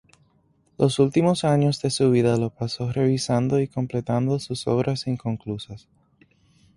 Los últimos años de su vida los pasó revisando y completando sus obras inconclusas.